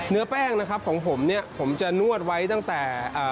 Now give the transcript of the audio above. เนื้อแป้งของผมผมจะนวดไว้ตั้งแต่